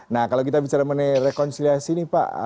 nah kalau kita bicara mengenai rekonsiliasi ini pak